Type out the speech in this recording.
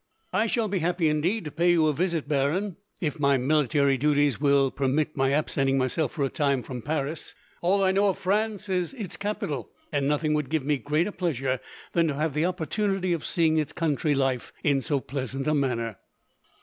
"I shall be happy, indeed, to pay you a visit, Baron, if my military duties will permit my absenting myself, for a time, from Paris. All I know of France is its capital, and nothing would give me greater pleasure than to have the opportunity of seeing its country life, in so pleasant a manner."